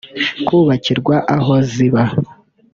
kubakirwa aho ziba